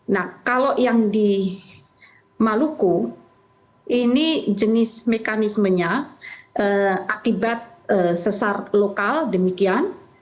nah kalau yang di maluku ini jenis mekanismenya akibat sesar lokal demikian